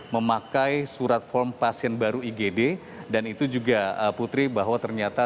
memakai surat form pasien baru igd dan itu juga putri bahwa ternyata